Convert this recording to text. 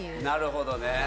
なるほどね。